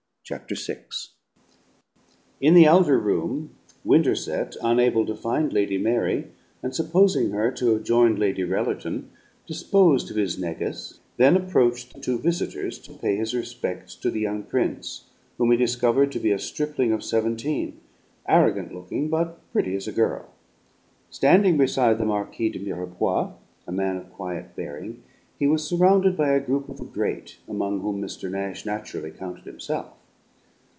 Chapter Six In the outer room, Winterset, unable to find Lady Mary, and supposing her to have joined Lady Rellerton, disposed of his negus, then approached the two visitors to pay his respects to the young prince, whom he discovered to be a stripling of seventeen, arrogant looking, but pretty as a girl. Standing beside the Marquis de Mirepoix a man of quiet bearing he was surrounded by a group of the great, among whom Mr. Nash naturally counted himself.